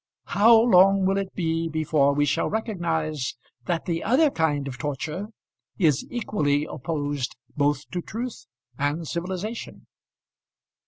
How long will it be before we shall recognise that the other kind of torture is equally opposed both to truth and civilization?